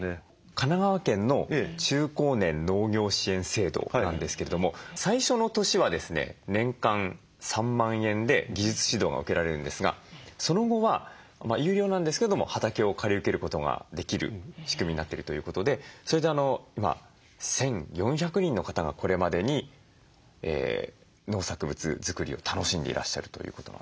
神奈川県の中高年農業支援制度なんですけれども最初の年はですね年間３万円で技術指導が受けられるんですがその後は有料なんですけども畑を借り受けることができる仕組みになってるということでそれで１，４００人の方がこれまでに農作物づくりを楽しんでいらっしゃるということなんですよね。